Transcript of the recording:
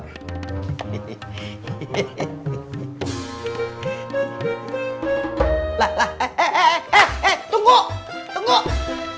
tunggu tunggu tunggu tunggu tunggu